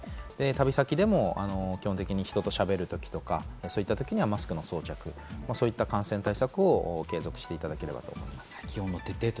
旅先でも基本的に人としゃべる時や、そういった時にはマスクの装着、そういった感染対策を継続していただければと思います。